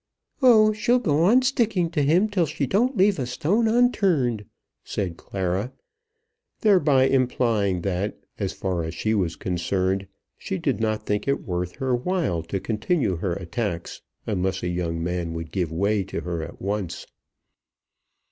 "Oh; she'll go on sticking to him till she don't leave a stone unturned," said Clara, thereby implying that, as far as she was concerned, she did not think it worth her while to continue her attacks unless a young man would give way to her at once.